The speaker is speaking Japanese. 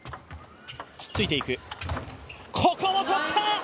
ここも取った！